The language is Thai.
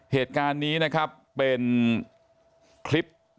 เหตุการณ์นี้นะครับเป็นคลิป